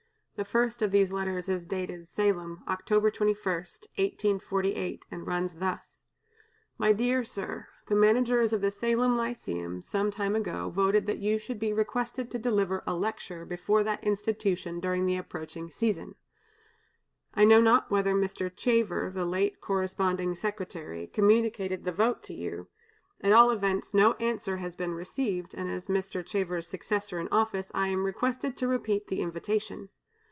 The first of these letters is dated, Salem, October 21, 1848, and runs thus: "MY DEAR SIR, The managers of the Salem Lyceum, sometime ago, voted that you should be requested to deliver a lecture before that Institution during the approaching season. I know not whether Mr. Chever, the late corresponding secretary, communicated the vote to you; at all events, no answer has been received, and as Mr. Chever's successor in office, I am requested to repeat the invitation.